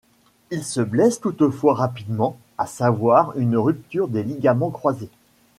Il se blesse toutefois rapidement, à savoir une rupture des ligaments croisés.